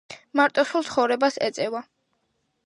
მარტოსულ ცხოვრებას ეწევა.